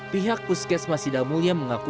pihak puskesmas sidamulia mengaku